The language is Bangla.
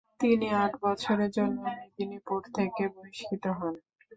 তিনি আট বছরের জন্য মেদিনীপুর থেকে বহিষ্কৃত হন।